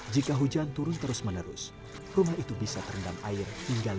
jika hujan turun terus menerus rumah itu bisa terendam air hingga lima meter